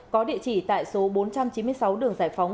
có địa chỉ tại số bốn trăm chín mươi sáu đường giải phóng